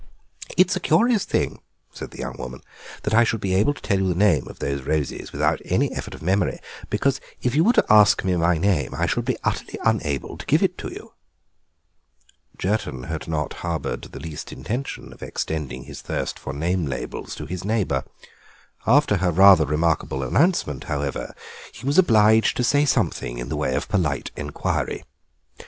"It is a curious thing," said the young woman, that, "I should be able to tell you the name of those roses without an effort of memory, because if you were to ask me my name I should be utterly unable to give it to you." Jerton had not harboured the least intention of extending his thirst for name labels to his neighbour. After her rather remarkable announcement, however, he was obliged to say something in the way of polite inquiry.